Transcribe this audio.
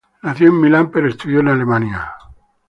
Nació en Milán pero estudió en Alemania.